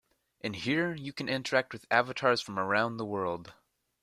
In here you can interact with avatars from around the world.